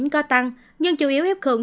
có tăng nhưng chủ yếu ép không